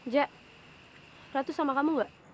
jak ratu sama kamu gak